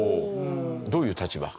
どういう立場？